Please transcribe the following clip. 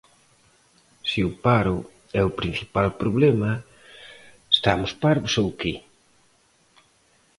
Se o paro é o principal problema, estamos parvos ou que?